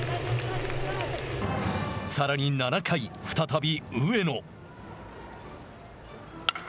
さらに７回、再び上野。